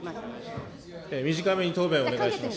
短めに答弁お願いします。